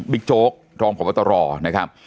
บิ๊กโจ๊กรองของกตร